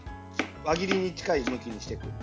輪切りに近い状態にしていく。